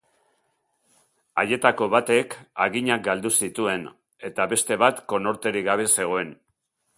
Haietako batek haginak galdu zituen, eta beste bat konorterik gabe zegoen.